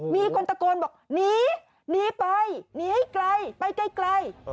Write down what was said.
มีคนตะโกนบอกหนีหนีไปหนีให้ไกลไปไกล